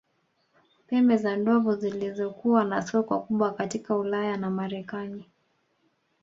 Pembe za ndovu zilizokuwa na soko kubwa katika Ulaya na Marekani